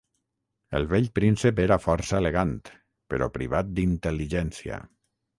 El vell príncep era força elegant, però privat d'intel·ligència.